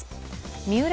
三浦